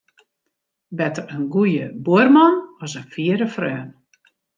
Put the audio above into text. Better in goede buorman as in fiere freon.